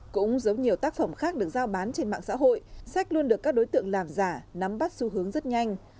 cũng giống nhiều tác phẩm khác được giao bán trên mạng xã hội sách luôn được các đối tượng làm giả nắm bắt xu hướng rất nhanh